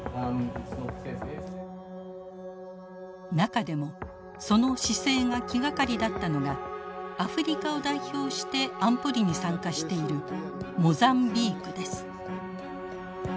中でもその姿勢が気がかりだったのがアフリカを代表して安保理に参加しているモザンビークです。